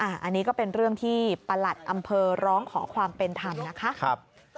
อันนี้ก็เป็นเรื่องที่ประหลัดอำเภอร้องขอความเป็นธรรมนะคะ